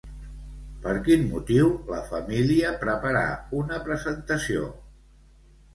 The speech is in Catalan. Per quin motiu la família preparà una presentació?